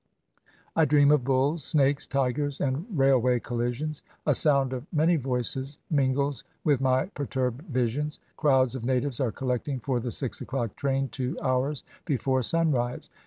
I dream of bulls, snakes, tigers, and railway collisions. A sound of many voices mingles with my perturbed visions. Crowds of natives are collecting for the six o'clock train two hours before sunrise.